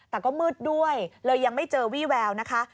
แต่ก็มืดด้วยเลยยังไม่เจอวี่แววนะคะ